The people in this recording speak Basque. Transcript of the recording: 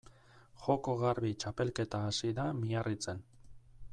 Joko Garbi txapelketa hasi da Miarritzen.